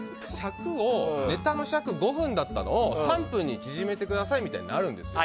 ネタの尺５分だったのを３分に縮めてくださいみたいなのあるんですよ。